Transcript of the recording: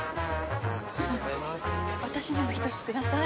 私にも１つください。